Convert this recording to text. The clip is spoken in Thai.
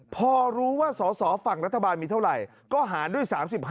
พอรู้ว่าสอสอฝั่งรัฐบาลมีเท่าไหร่ก็หารด้วย๓๕